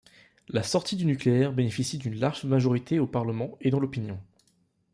La sortie du nucléaire bénéficie d’une large majorité au parlement et dans l’opinion.